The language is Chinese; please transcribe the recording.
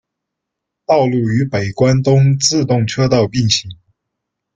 道路与北关东自动车道并行。